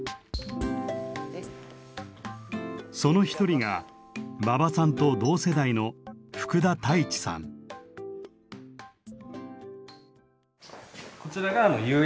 その一人が馬場さんと同世代のこちらが釉薬。